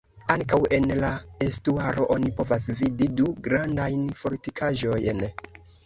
Ankaŭ en la estuaro oni povas vidi du grandajn fortikaĵojn.